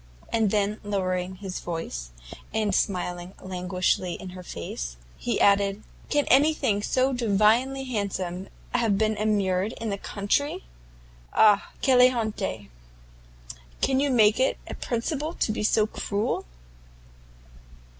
and then, lowering his voice, and smiling languishingly in her face, he added, "Can anything so divinely handsome have been immured in the country? Ah! quelle honte! do you make it a principle to be so cruel?"